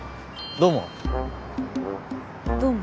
どうも。